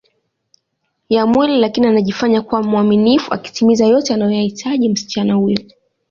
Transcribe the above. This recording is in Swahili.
ya mwili lakini anajifanya kuwa mwaminifu akitimiza yote anayoyahitaji msichana huyo